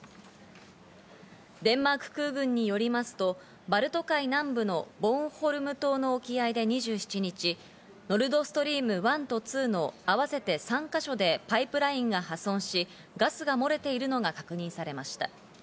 デンマーク空軍によりますと、バルト海南部のボーンホルム島の沖合で２７日、ノルドストリーム１と２の合わせて３か所で、パイプラインが破損し、ガスが漏れているのが確認されました。